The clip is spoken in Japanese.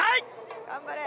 頑張れ！